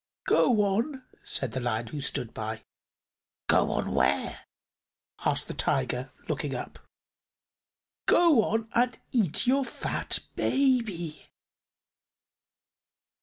"Go on," said the Lion, who stood by. "Go on where?" asked the Tiger, looking up. "Go on and eat your fat baby."